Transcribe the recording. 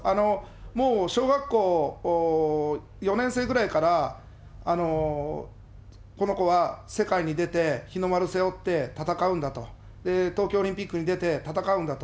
もう小学校４年生ぐらいから、この子は世界に出て、日の丸背負って戦うんだと、東京オリンピックに出て、戦うんだと。